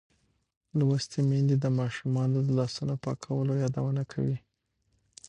لوستې میندې د ماشومانو د لاسونو پاکولو یادونه کوي.